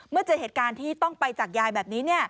เจอเหตุการณ์ที่ต้องไปจากยายแบบนี้